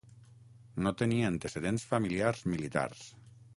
No tenia antecedents familiars militars.